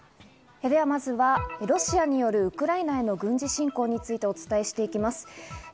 まずはロシアによるウクライナへの軍事侵攻についてお伝えしていきます。